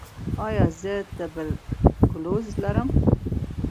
ایا زه تبرکلوز لرم؟